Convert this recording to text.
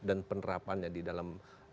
dan penerapannya di dalam